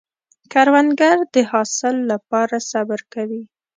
کروندګر د حاصل له پاره صبر کوي